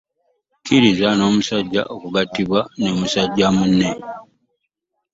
Kizira n'omusajja okugattibwa ne musajja munne .